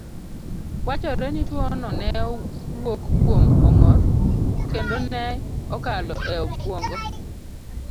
Wachore ni tuwono ne wuok kuom ong'or, kendo ne okalo e obwongo